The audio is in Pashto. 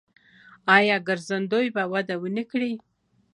آیا ګرځندوی به وده ونه کړي؟